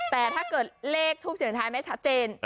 แต่ถ้าเกิดเลขทูปเสียงท้ายไม่ชัดเจน